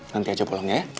nanti aja pulang ya ya